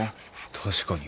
確かに。